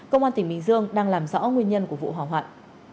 công an tỉnh bình dương đang làm rõ nguyên nhân của vụ hỏa hoạn